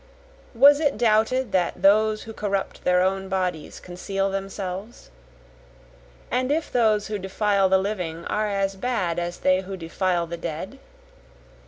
Was it doubted that those who corrupt their own bodies conceal themselves? And if those who defile the living are as bad as they who defile the dead?